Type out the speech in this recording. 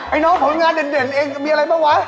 ไอ้น้องผลงานเด็ดมีอะไรบ้างวะ